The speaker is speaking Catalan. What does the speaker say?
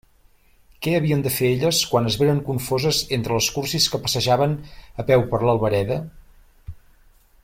Què havien de fer elles quan es veren confoses entre les cursis que passejaven a peu per l'Albereda?